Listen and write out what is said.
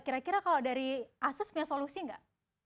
kira kira kalau dari asus punya solusi nggak